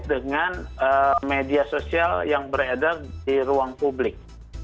konten yang terkait dengan media sosial yang beredar di ruang publik